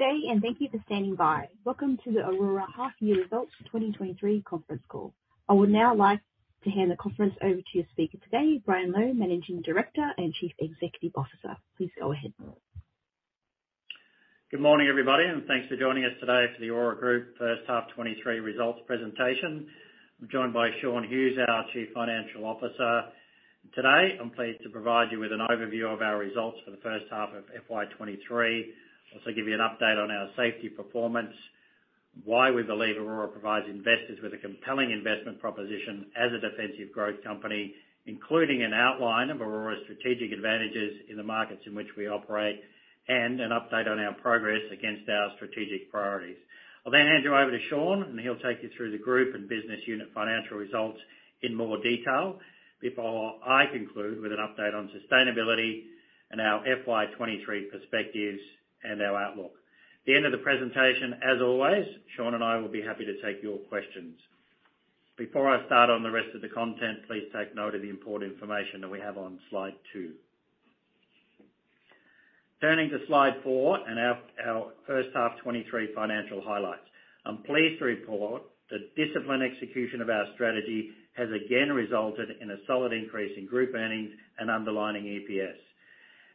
Good day. Thank you for standing by. Welcome to the Orora Half-Year Results 2023 Conference Call. I would now like to hand the conference over to your speaker today, Brian Lowe, Managing Director and Chief Executive Officer. Please go ahead. Good morning, everybody. Thanks for joining us today for the Orora Group first half '23 results presentation. I'm joined by Shaun Hughes, our Chief Financial Officer. Today, I'm pleased to provide you with an overview of our results for the first half of FY '23. Also give you an update on our safety performance, why we believe Orora provides investors with a compelling investment proposition as a defensive growth company, including an outline of Orora's strategic advantages in the markets in which we operate. An update on our progress against our strategic priorities. I'll then hand you over to Shaun. He'll take you through the group and business unit financial results in more detail. Before I conclude with an update on sustainability and our FY '23 perspectives. Our outlook. At the end of the presentation, as always, Shaun and I will be happy to take your questions. Before I start on the rest of the content, please take note of the important information that we have on slide two. Turning to slide four. Our first half of 2023 financial highlights. I'm pleased to report that disciplined execution of our strategy has again resulted in a solid increase in group earnings and underlying EPS.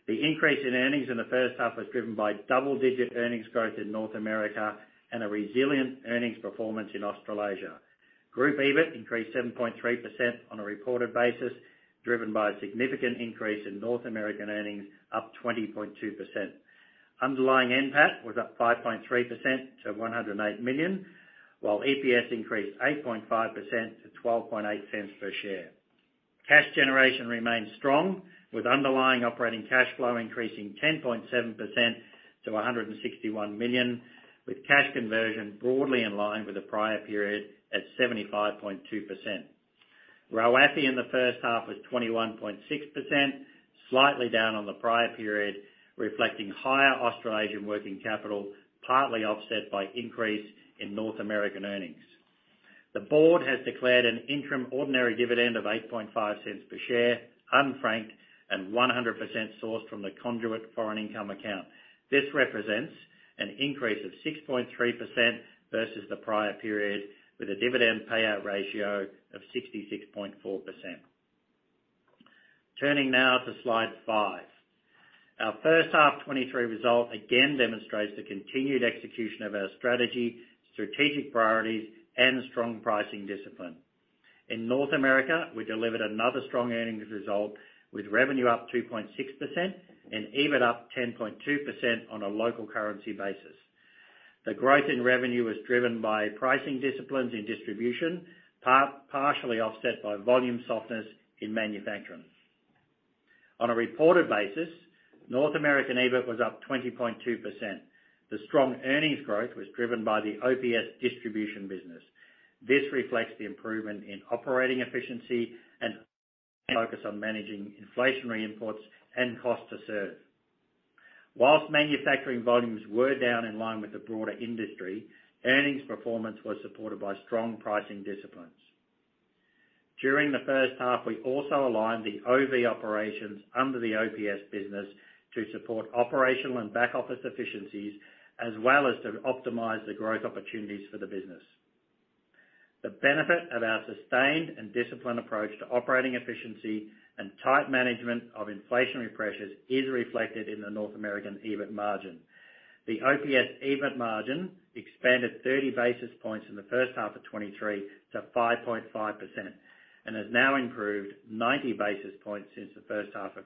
The increase in earnings in the first half was driven by double-digit earnings growth in North America and a resilient earnings performance in Australasia. Group EBIT increased 7.3% on a reported basis, driven by a significant increase in North American earnings, up 20.2%. Underlying NPAT was up 5.3% to 108 million, while EPS increased 8.5% to 0.128 per share. Cash generation remained strong, with underlying operating cash flow increasing 10.7% to 161 million, with cash conversion broadly in line with the prior period at 75.2%. RoAPE in the first half was 21.6%, slightly down on the prior period, reflecting higher Australasian working capital, partly offset by increase in North American earnings. The board has declared an interim ordinary dividend of 0.085 per share, unfranked, and 100% sourced from the conduit foreign income account. This represents an increase of 6.3% versus the prior period, with a dividend payout ratio of 66.4%. Turning now to slide 5. Our first half of 2023 result again demonstrates the continued execution of our strategy, strategic priorities, and strong pricing discipline. In North America, we delivered another strong earnings result, with revenue up 2.6% and EBIT up 10.2% on a local currency basis. The growth in revenue was driven by pricing disciplines in distribution, partially offset by volume softness in manufacturing. On a reported basis, North American EBIT was up 20.2%. The strong earnings growth was driven by the OPS distribution business. This reflects the improvement in operating efficiency and focus on managing inflationary imports and cost to serve. Whilst manufacturing volumes were down in line with the broader industry, earnings performance was supported by strong pricing disciplines. During the first half, we also aligned the OV operations under the OPS business to support operational and back-office efficiencies, as well as to optimize the growth opportunities for the business. The benefit of our sustained and disciplined approach to operating efficiency and tight management of inflationary pressures is reflected in the North American EBIT margin. The OPS EBIT margin expanded 30 basis points in the first half of 2023 to 5.5% and has now improved 90 basis points since the first half of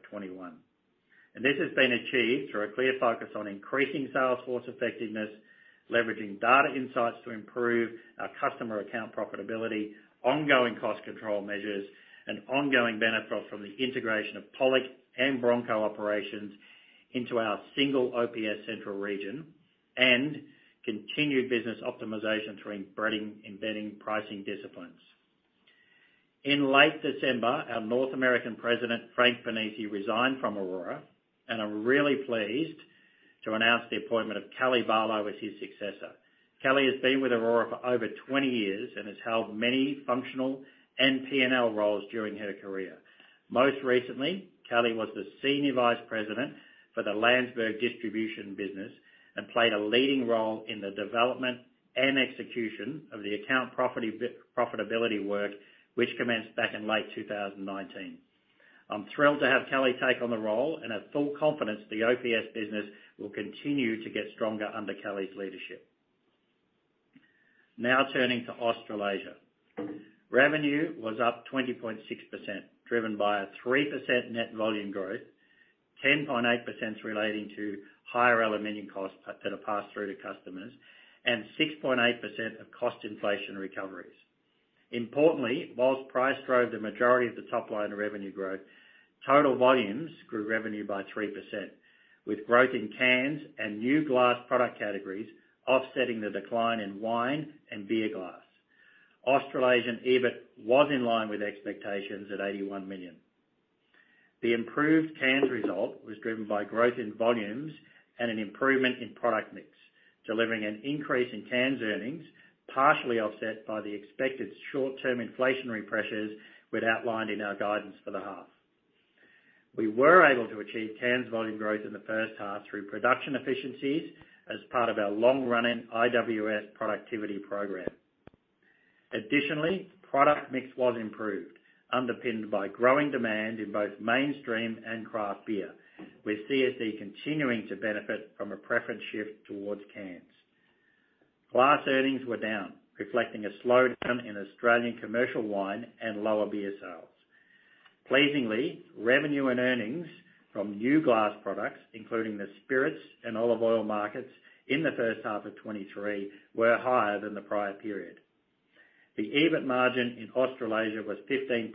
2021. This has been achieved through a clear focus on increasing sales force effectiveness, leveraging data insights to improve our customer account profitability, ongoing cost control measures, and ongoing benefits from the integration of Pollock and Bronco operations into our single OPS central region, and continued business optimization through embedding pricing disciplines. In late December, our North American President, Frank Vernesi, resigned from Orora, and I'm really pleased to announce the appointment of Kelly Barlow as his successor. Kelly has been with Orora for over 20 years and has held many functional and P&L roles during her career. Most recently, Kelly was the Senior Vice President for the Landsberg Distribution business and played a leading role in the development and execution of the account profitability work, which commenced back in late 2019. I'm thrilled to have Kelly take on the role and have full confidence the OPS business will continue to get stronger under Kelly's leadership. Turning to Australasia. Revenue was up 20.6%, driven by a 3% net volume growth, 10.8% relating to higher aluminum costs that are passed through to customers, and 6.8% of cost inflation recoveries. Importantly, whilst price drove the majority of the top line revenue growth, total volumes grew revenue by 3%, with growth in cans and new glass product categories offsetting the decline in wine and beer glass. Australasian EBIT was in line with expectations at 81 million. The improved cans result was driven by growth in volumes and an improvement in product mix, delivering an increase in cans earnings, partially offset by the expected short-term inflationary pressures we'd outlined in our guidance for the half. We were able to achieve cans volume growth in the first half through production efficiencies as part of our long-running IWS productivity program. Product mix was improved, underpinned by growing demand in both mainstream and craft beer, with CSD continuing to benefit from a preference shift towards cans. Glass earnings were down, reflecting a slowdown in Australian commercial wine and lower beer sales. Pleasingly, revenue and earnings from new glass products, including the spirits and olive oil markets in the first half of 2023, were higher than the prior period. The EBIT margin in Australasia was 15.2%,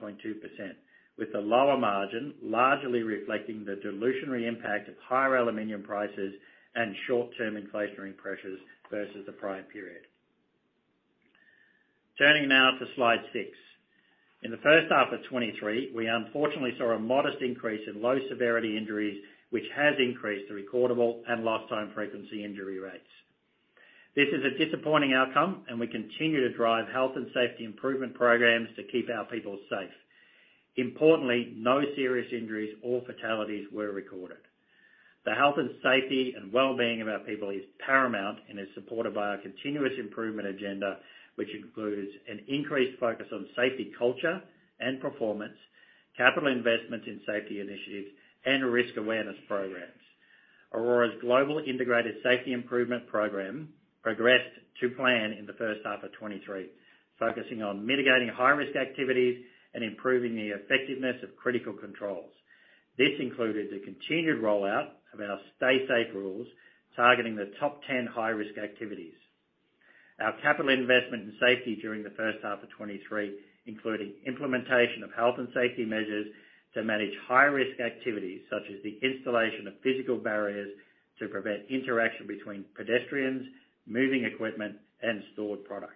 with the lower margin largely reflecting the dilutionary impact of higher aluminum prices and short-term inflationary pressures versus the prior period. Turning now to slide 6. In the first half of 2023, we unfortunately saw a modest increase in low-severity injuries, which has increased the recordable and lost time frequency injury rates. This is a disappointing outcome, we continue to drive health and safety improvement programs to keep our people safe. Importantly, no serious injuries or fatalities were recorded. The health, and safety, and well-being of our people is paramount and is supported by our continuous improvement agenda, which includes an increased focus on safety culture and performance, capital investments in safety initiatives, and risk awareness programs. Orora's global integrated safety improvement program progressed to plan in the first half of 2023, focusing on mitigating high-risk activities and improving the effectiveness of critical controls. This included the continued rollout of our Stay Safe rules, targeting the top 10 high-risk activities. Our capital investment in safety during the first half of 2023, including implementation of health and safety measures to manage high-risk activities, such as the installation of physical barriers to prevent interaction between pedestrians, moving equipment, and stored products.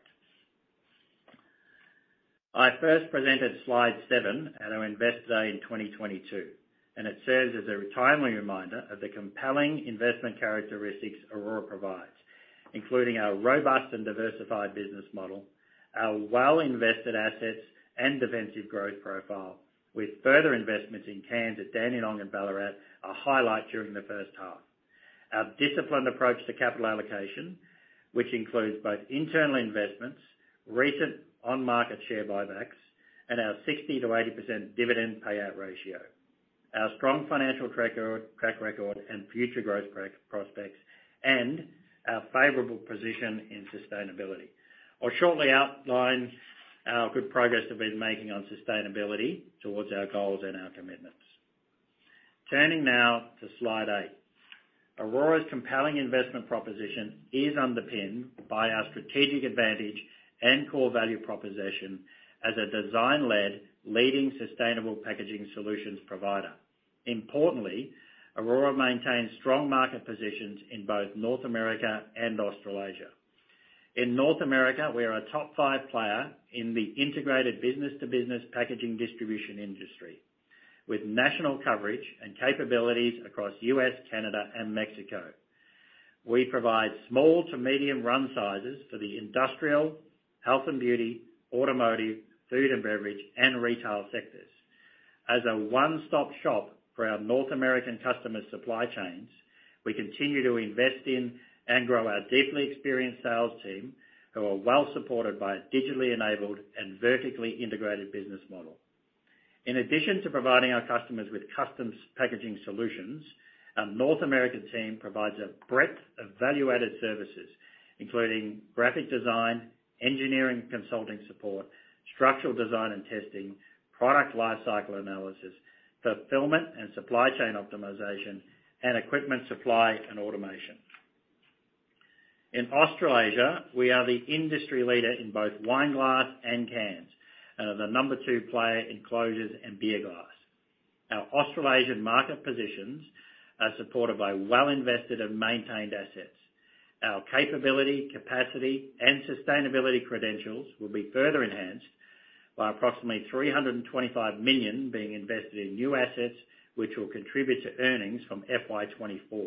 I first presented slide 7 at our Invest Day in 2022. It serves as a timely reminder of the compelling investment characteristics Orora provides, including our robust and diversified business model, our well-invested assets and defensive growth profile, with further investments in cans at Dandenong and Ballarat, a highlight during the first half. Our disciplined approach to capital allocation, which includes both internal investments, recent on-market share buybacks, and our 60% to 80% dividend payout ratio, our strong financial track record and future growth prospects, and our favorable position in sustainability. I'll shortly outline our good progress that we've been making on sustainability towards our goals and our commitments. Turning now to slide 8. Orora's compelling investment proposition is underpinned by our strategic advantage and core value proposition as a design-led, leading sustainable packaging solutions provider. Importantly, Orora maintains strong market positions in both North America and Australasia. In North America, we are a top-five player in the integrated business-to-business packaging distribution industry, with national coverage and capabilities across U.S., Canada, and Mexico. We provide small to medium run sizes for the industrial, health and beauty, automotive, food and beverage, and retail sectors. As a one-stop shop for our North American customer supply chains, we continue to invest in and grow our deeply experienced sales team, who are well-supported by a digitally enabled and vertically integrated business model. In addition to providing our customers with custom packaging solutions, our North American team provides a breadth of value-added services, including graphic design, engineering consulting support, structural design and testing, product lifecycle analysis, fulfillment and supply chain optimization, and equipment supply and automation. In Australasia, we are the industry leader in both wine glass and cans, and the number two player in closures and beer glass. Our Australasian market positions are supported by well-invested and maintained assets. Our capability, capacity, and sustainability credentials will be further enhanced by approximately 325 million being invested in new assets, which will contribute to earnings from FY 2024.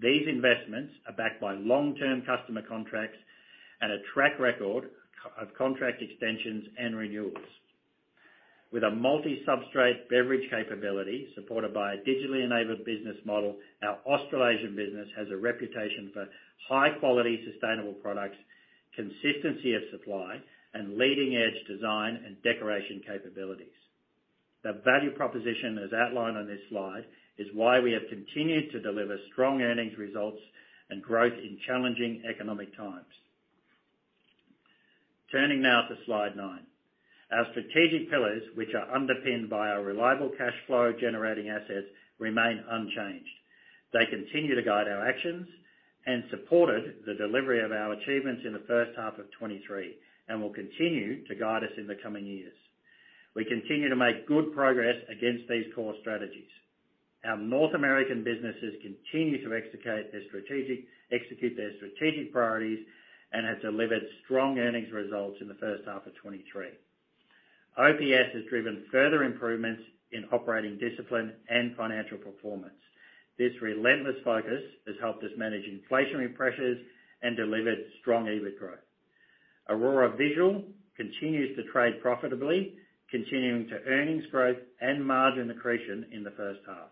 These investments are backed by long-term customer contracts and a track record of contract extensions and renewals. With a multi-substrate beverage capability supported by a digitally enabled business model, our Australasian business has a reputation for high-quality, sustainable products, consistency of supply, and leading-edge design and decoration capabilities. The value proposition, as outlined on this slide, is why we have continued to deliver strong earnings results and growth in challenging economic times. Turning now to slide 9. Our strategic pillars, which are underpinned by our reliable cash flow-generating assets, remain unchanged. They continue to guide our actions and supported the delivery of our achievements in the first half of 23. Will continue to guide us in the coming years. We continue to make good progress against these core strategies. Our North American businesses continue to execute their strategic priorities and have delivered strong earnings results in the first half of 23. OPS has driven further improvements in operating discipline and financial performance. This relentless focus has helped us manage inflationary pressures and delivered strong EBIT growth. Orora Visual continues to trade profitably, continuing to earnings growth and margin accretion in the first half.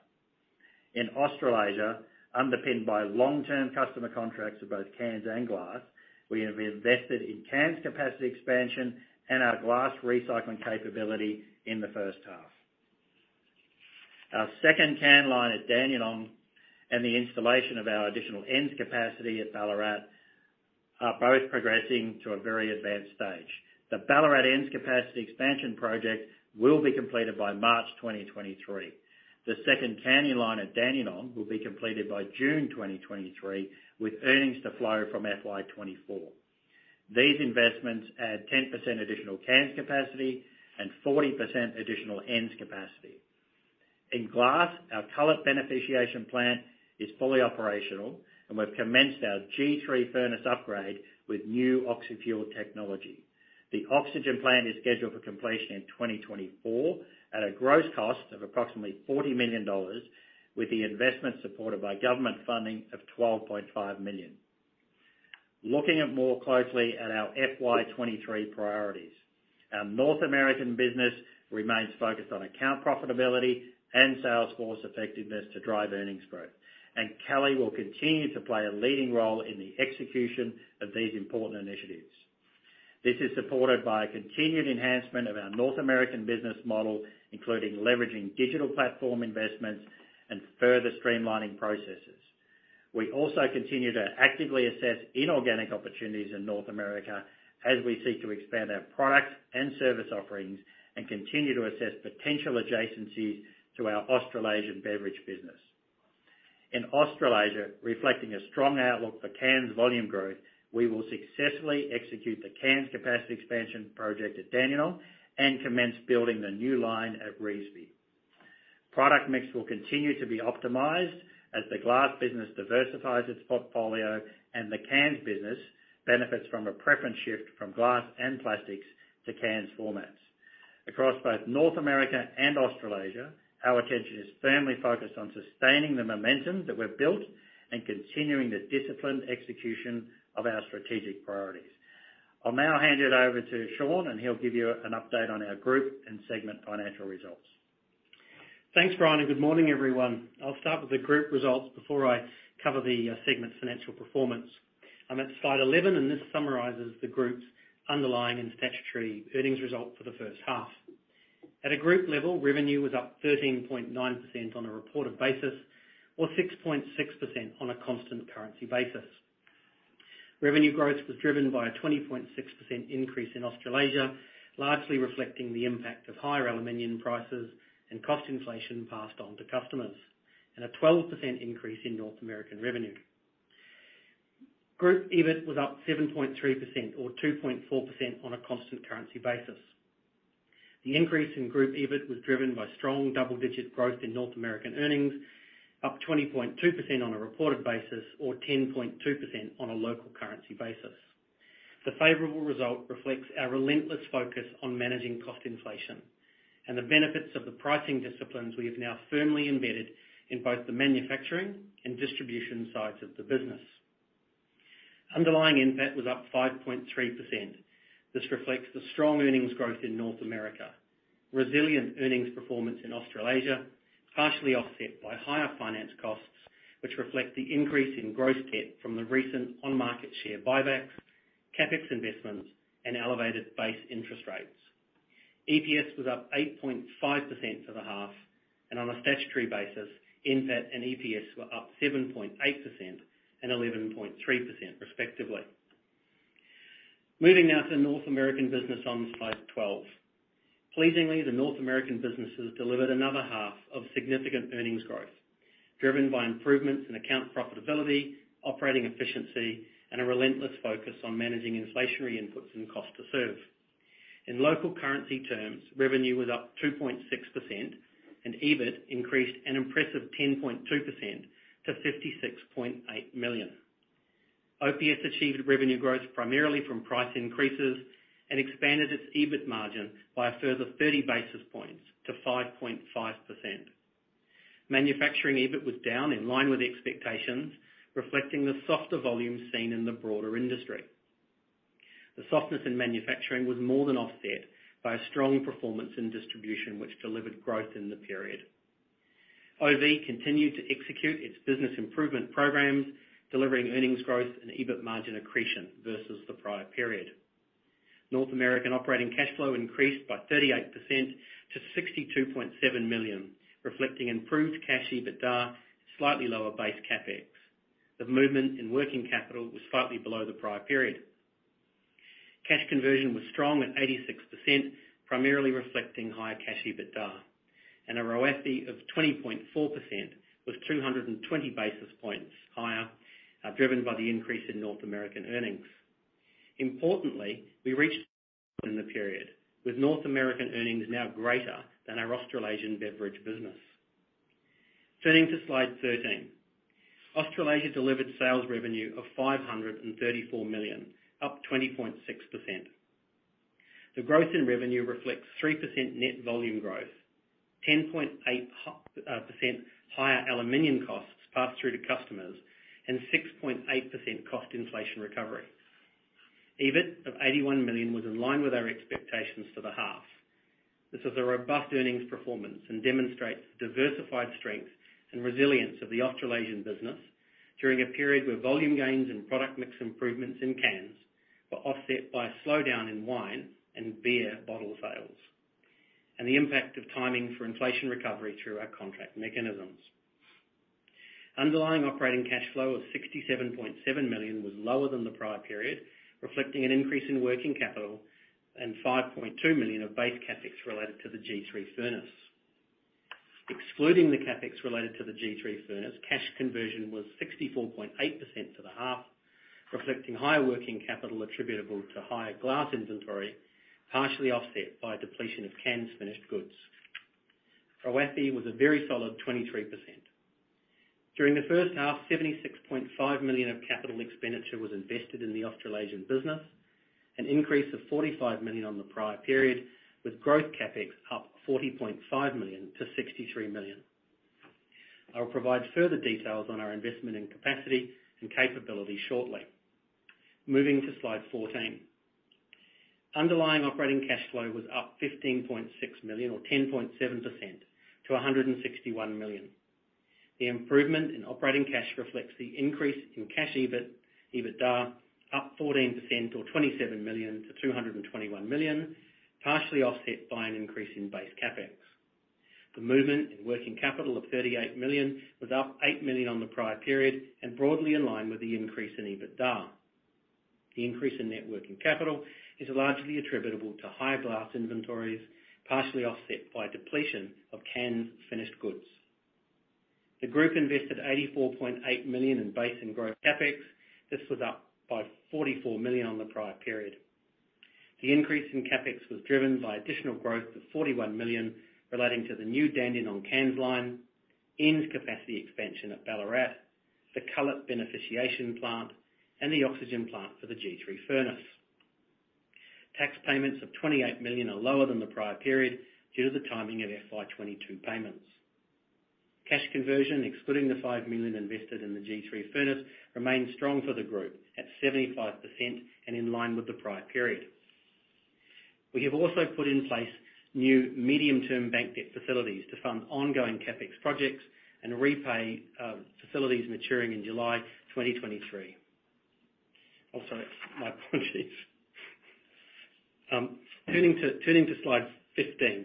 In Australasia, underpinned by long-term customer contracts for both cans and glass, we have invested in cans capacity expansion and our glass recycling capability in the first half. Our second can line at Dandenong and the installation of our additional end capacity at Ballarat are both progressing to a very advanced stage. The Ballarat the ends of capacity expansion project will be completed by March 2023. The second can line at Dandenong will be completed by June 2023, with earnings to flow from FY24. These investments add 10% additional cans capacity and 40% additional end capacity. In glass, our Glass Beneficiation Plant is fully operational, and we've commenced our G3 furnace upgrade with new oxy-fuel technology. The oxygen plant is scheduled for completion in 2024 at a gross cost of approximately 40 million dollars, with the investment supported by government funding of 12.5 million. Looking at more closely at our FY23 priorities. Our North American business remains focused on account profitability and sales force effectiveness to drive earnings growth. Kelly will continue to play a leading role in the execution of these important initiatives. This is supported by a continued enhancement of our North American business model, including leveraging digital platform investments and further streamlining processes. We also continue to actively assess inorganic opportunities in North America as we seek to expand our product and service offerings and continue to assess potential adjacencies to our Australasian beverage business. In Australasia, reflecting a strong outlook for cans volume growth, we will successfully execute the cans capacity expansion project at Dandenong and commence building the new line at Revesby. Product mix will continue to be optimized as the glass business diversifies its portfolio and the cans business benefits from a preference shift from glass and plastics to cans formats. Across both North America and Australasia, our attention is firmly focused on sustaining the momentum that we've built and continuing the disciplined execution of our strategic priorities. I'll now hand it over to Shaun, and he'll give you an update on our Group and segment financial results. Thanks, Brian, and good morning, everyone. I'll start with the group results before I cover the segment financial performance. I'm at slide 11, and this summarizes the group's underlying and statutory earnings result for the first half. At a group level, revenue was up 13.9% on a reported basis or 6.6% on a constant currency basis. Revenue growth was driven by a 20.6% increase in Australasia, largely reflecting the impact of higher aluminum prices and cost inflation passed on to customers, and a 12% increase in North American revenue. Group EBIT was up 7.3% or 2.4% on a constant currency basis. The increase in group EBIT was driven by strong double-digit growth in North American earnings, up 20.2% on a reported basis or 10.2% on a local currency basis. The favorable result reflects our relentless focus on managing cost inflation and the benefits of the pricing disciplines we have now firmly embedded in both the manufacturing and distribution sides of the business. Underlying NPAT was up 5.3%. This reflects the strong earnings growth in North America. Resilient earnings performance in Australasia, partially offset by higher finance costs, which reflect the increase in gross debt from the recent on-market share buybacks, CapEx investments, and elevated base interest rates. EPS was up 8.5% for the half. On a statutory basis, NPAT and EPS were up 7.8% and 11.3% respectively. Moving now to the North American business on slide 12. Pleasingly, the North American businesses delivered another half of significant earnings growth, driven by improvements in account profitability, operating efficiency, and a relentless focus on managing inflationary inputs and cost to serve. In local currency terms, revenue was up 2.6%, and EBIT increased an impressive 10.2% to $56.8 million. OPS achieved revenue growth primarily from price increases and expanded its EBIT margin by a further 30 basis points to 5.5%. Manufacturing EBIT was down in line with expectations, reflecting the softer volumes seen in the broader industry. The softness in manufacturing was more than offset by a strong performance in distribution, which delivered growth in the period. OV continued to execute its business improvement programs, delivering earnings growth and EBIT margin accretion versus the prior period. North American operating cash flow increased by 38% to $62.7 million, reflecting improved cash EBITDA, slightly lower base CapEx. The movement in working capital was slightly below the prior period. Cash conversion was strong at 86%, primarily reflecting higher cash EBITDA, and a ROAE of 20.4% was 220 basis points higher, driven by the increase in North American earnings. Importantly, we reached in the period, with North American earnings now greater than our Australasian beverage business. Turning to slide 13. Australasia delivered sales revenue of 534 million, up 20.6%. The growth in revenue reflects 3% net volume growth, 10.8% higher aluminum costs passed through to customers, and 6.8% cost inflation recovery. EBIT of 81 million was in line with our expectations for the half. This is a robust earnings performance and demonstrates the diversified strength and resilience of the Australasian business during a period where volume gains and product mix improvements in cans were offset by a slowdown in wine and beer bottle sales, and the impact of timing for inflation recovery through our contract mechanisms. Underlying operating cash flow of 67.7 million was lower than the prior period, reflecting an increase in working capital and 5.2 million of base CapEx related to the G3 furnace. Excluding the CapEx related to the G3 furnace, cash conversion was 64.8% for the half, reflecting higher working capital attributable to higher glass inventory, partially offset by depletion of cans and finished goods. RoAFE was a very solid 23%. During the first half, 76.5 million of capital expenditure was invested in the Australasian business, an increase of 45 million on the prior period, with growth CapEx up 40.5 million to 63 million. I'll provide further details on our investment in capacity and capability shortly. Moving to slide 14. Underlying operating cash flow was up 15.6 million or 10.7% to 161 million. The improvement in operating cash reflects the increase in cash EBITDA up 14% or 27 million to 221 million, partially offset by an increase in base CapEx. The movement in working capital of 38 million was up 8 million on the prior period and broadly in line with the increase in EBITDA. The increase in net working capital is largely attributable to higher glass inventories, partially offset by depletion of canned finished goods. The group invested 84.8 million in base and growth CapEx. This was up by 44 million on the prior period. The increase in CapEx was driven by additional growth of 41 million relating to the new Dandenong Cans line, ends capacity expansion at Ballarat, the Glass Beneficiation Plant, and the oxygen plant for the G3 furnace. Tax payments of 28 million are lower than the prior period due to the timing of FY22 payments. Cash conversion, excluding the 5 million invested in the G3 furnace, remains strong for the group at 75% and in line with the prior period. We have also put in place new medium-term bank debt facilities to fund ongoing CapEx projects and repay facilities maturing in July 2023. My apologies. Turning to slide 15.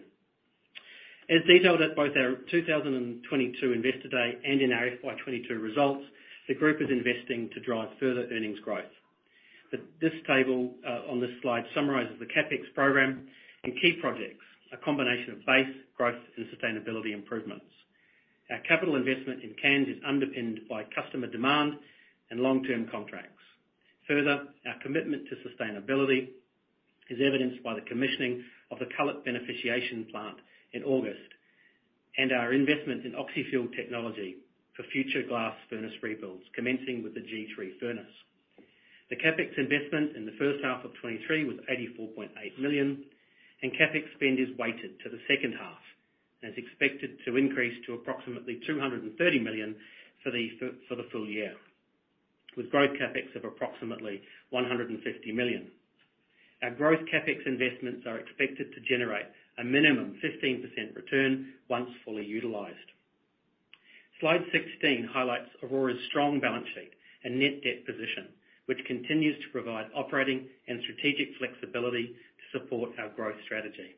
As detailed at both our 2022 Investor Day and in our FY22 results, the group is investing to drive further earnings growth. This table on this slide summarizes the CapEx program and key projects, a combination of base, growth, and sustainability improvements. Our capital investment in cans is underpinned by customer demand and long-term contracts. Further, our commitment to sustainability is evidenced by the commissioning of the Glass Beneficiation Plant in August and our investment in oxy-fuel technology for future glass furnace rebuilds, commencing with the G3 furnace. The CapEx investment in the first half of 2023 was 84.8 million. CapEx spend is weighted to the second half, and is expected to increase to approximately 230 million for the full-year, with growth CapEx of approximately 150 million. Our growth CapEx investments are expected to generate a minimum 15% return once fully utilized. Slide 16 highlights Orora's strong balance sheet and net debt position, which continues to provide operating and strategic flexibility to support our growth strategy.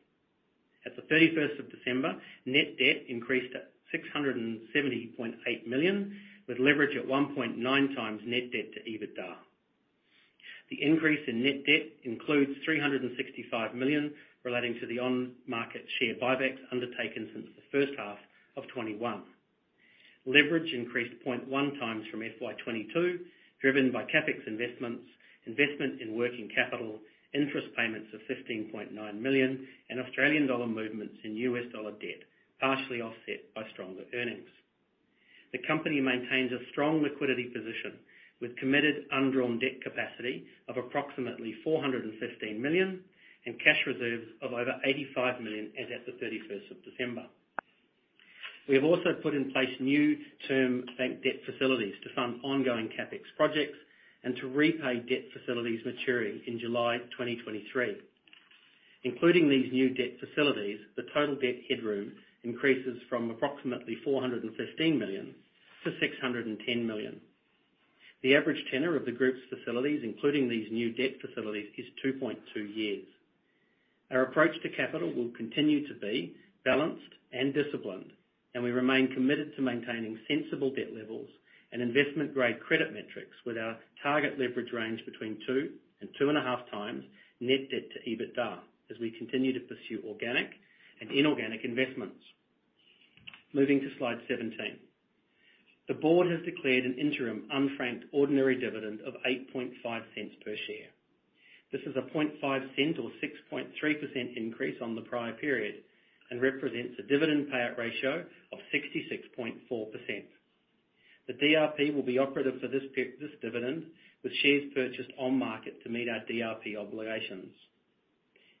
At the 31st of December, net debt increased to 670.8 million, with leverage at 1.9 times net debt to EBITDA. The increase in net debt includes 365 million relating to the on-market share buybacks undertaken since the first half of 2021. Leverage increased 0.1 times from FY22, driven by CapEx investments, investment in working capital, interest payments of 15.9 million, and Australian dollar movements in USD debt, partially offset by stronger earnings. The company maintains a strong liquidity position with committed undrawn debt capacity of approximately 415 million and cash reserves of over 85 million as at the 31st of December. We have also put in place new term bank debt facilities to fund ongoing CapEx projects and to repay debt facilities maturing in July 2023. Including these new debt facilities, the total debt headroom increases from approximately 415 million to 610 million. The average tenor of the group's facilities, including these new debt facilities, is 2.2 years. Our approach to capital will continue to be balanced and disciplined, and we remain committed to maintaining sensible debt levels and investment-grade credit metrics with our target leverage range between 2 and 2.5 times net debt to EBITDA as we continue to pursue organic and inorganic investments. Moving to slide 17. The board has declared an interim unframed ordinary dividend of 0.085 per share. This is an 0.005 or 6.3% increase on the prior period and represents a dividend payout ratio of 66.4%. The DRP will be operative for this dividend, with shares purchased on the market to meet our DRP obligations.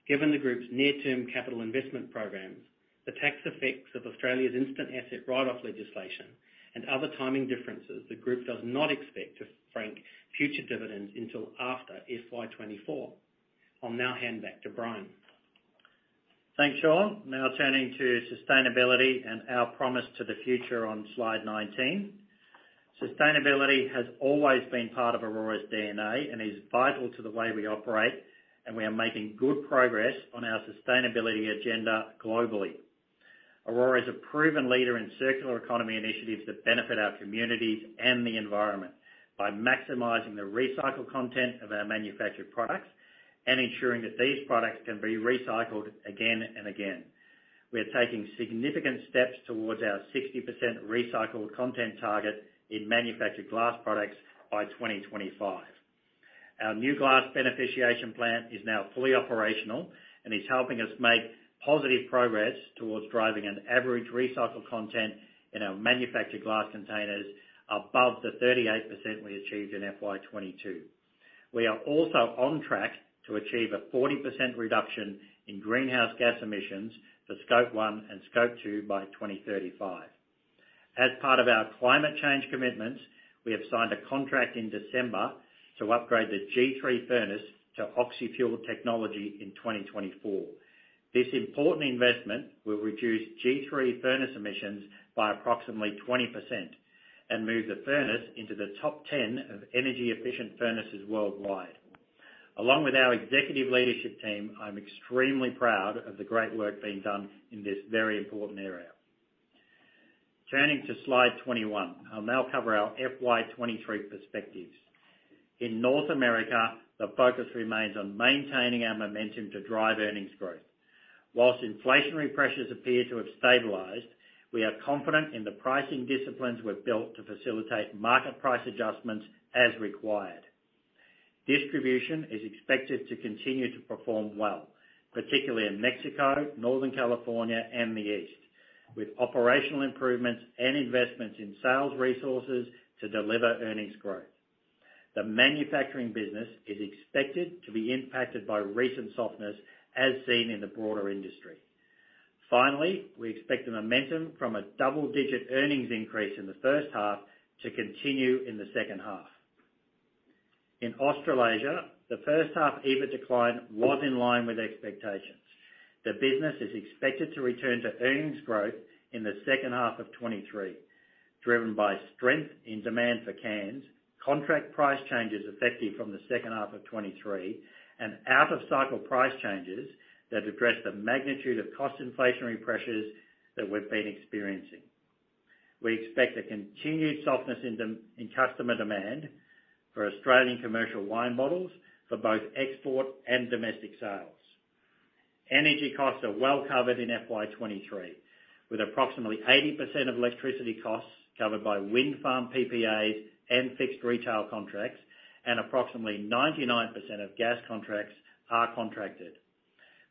Given the group's near-term capital investment programs, the tax effects of Australia's instant asset write-off legislation, and other timing differences, the group does not expect to frank future dividends until after FY 2024. I'll now hand back to Brian. Thanks, Shaun. Now turning to sustainability and our promise to the future on slide 19. Sustainability has always been part of Orora's DNA and is vital to the way we operate, and we are making good progress on our sustainability agenda globally. Orora is a proven leader in circular economy initiatives that benefit our communities and the environment by maximizing the recycled content of our manufactured products and ensuring that these products can be recycled again and again. We are taking significant steps towards our 60% recycled content target in manufactured glass products by 2025. Our new Glass Beneficiation Plant is now fully operational and is helping us make positive progress towards driving an average recycled content in our manufactured glass containers above the 38% we achieved in FY 2022. We are also on track to achieve a 40% reduction in greenhouse gas emissions for Scope 1 and Scope 2 by 2035. As part of our climate change commitments, we have signed a contract in December to upgrade the G3 furnace to oxy-fuel technology in 2024. This important investment will reduce G3 furnace emissions by approximately 20% and move the furnace into the top 10 of energy-efficient furnaces worldwide. Along with our executive leadership team, I'm extremely proud of the great work being done in this very important area. Turning to slide 21, I'll now cover our FY23 perspectives. In North America, the focus remains on maintaining our momentum to drive earnings growth. Whilst inflationary pressures appear to have stabilized, we are confident in the pricing disciplines we've built to facilitate market price adjustments as required. Distribution is expected to continue to perform well, particularly in Mexico, Northern California, and the East, with operational improvements and investments in sales resources to deliver earnings growth. The manufacturing business is expected to be impacted by recent softness as seen in the broader industry. We expect the momentum from a double-digit earnings increase in the first half to continue in the second half. In Australasia, the first half EBIT decline was in line with expectations. The business is expected to return to earnings growth in the second half of 2023, driven by strength in demand for cans, contract price changes effective from the second half of 2023, and out-of-cycle price changes that address the magnitude of cost inflationary pressures that we've been experiencing. We expect a continued softness in customer demand for Australian commercial wine bottles for both export and domestic sales. Energy costs are well covered in FY23, with approximately 80% of electricity costs covered by wind farm PPAs and fixed retail contracts, and approximately 99% of gas contracts are contracted.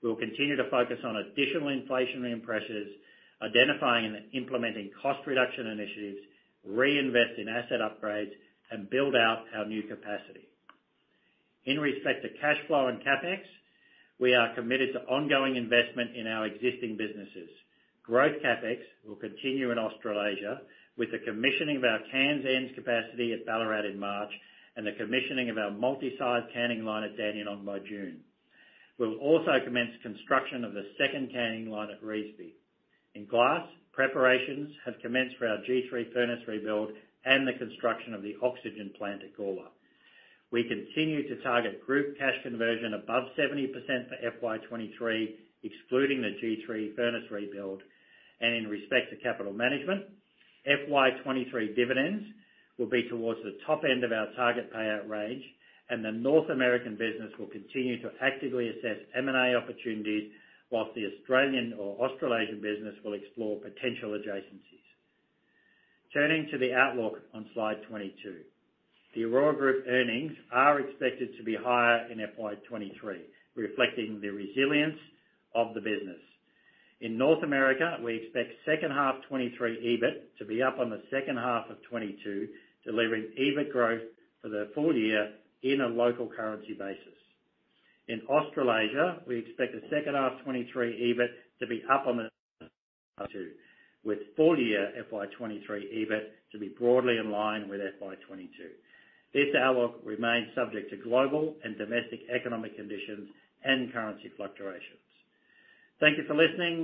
We'll continue to focus on additional inflationary pressures, identifying and implementing cost reduction initiatives, reinvest in asset upgrades, and build out our new capacity. In respect to cash flow and CapEx, we are committed to ongoing investment in our existing businesses. Growth CapEx will continue in Australasia with the commissioning of our cans ends capacity at Ballarat in March and the commissioning of our multi-site canning line at Dandenong by June. We'll also commence construction of the second canning line at Revesby. In glass, preparations have commenced for our G3 furnace rebuild and the construction of the oxygen plant at Gawler. We continue to target group cash conversion above 70% for FY23, excluding the G3 furnace rebuild. In respect to capital management, FY23 dividends will be towards the top end of our target payout range, and the North American business will continue to actively assess M&A opportunities, whilst the Australian or Australasian business will explore potential adjacencies. Turning to the outlook on slide 22. The Orora Group earnings are expected to be higher in FY23, reflecting the resilience of the business. In North America, we expect the second half of 23 EBIT to be up on the second half of 22, delivering EBIT growth for the full-year in a local currency basis. In Australasia, we expect the second half 23 EBIT to be up on the two, with full-year FY23 EBIT to be broadly in line with FY22. This outlook remains subject to global and domestic economic conditions and currency fluctuations. Thank you for listening.